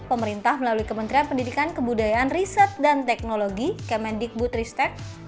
pemerintah melalui kementerian pendidikan kebudayaan riset dan teknologi kemendikbutristek